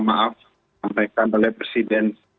maaf yang dikata oleh presiden